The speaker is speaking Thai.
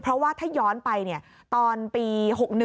เพราะว่าถ้าย้อนไปตอนปี๖๑